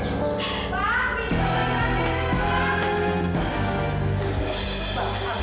surat pmm pin belum